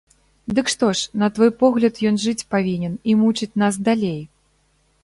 Дык што ж, на твой погляд, ён жыць павінен і мучыць нас далей!